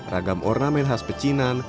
ragam ornamen khas pecinan